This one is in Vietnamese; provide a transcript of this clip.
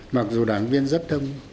mặc dù đảng viên rất đông